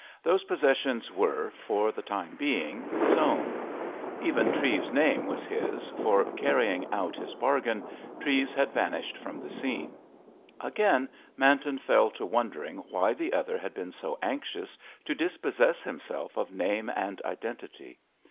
Those possessions were, for the time being, his own; even Treves's name was his, for, carrying out his bargain, Treves had vanished from the scene. Again Manton fell to wondering why the other had been so anxious to dispossess himself of name and identity.